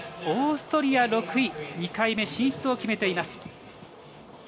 オーストリア、６位で２回目進出を決めています。